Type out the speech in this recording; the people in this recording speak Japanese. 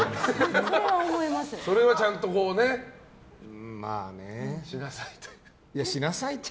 それはちゃんとしなさいと。